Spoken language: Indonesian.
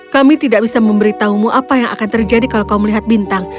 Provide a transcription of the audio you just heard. kami tidak bisa memberitahumu apa yang akan terjadi kalau kau melihat bintang